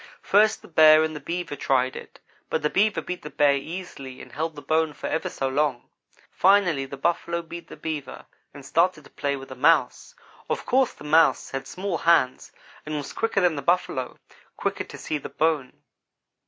First the Bear and the Beaver tried it, but the Beaver beat the Bear easily and held the bone for ever so long. Finally the Buffalo beat the Beaver and started to play with the Mouse. Of course the Mouse had small hands and was quicker than the Buffalo quicker to see the bone.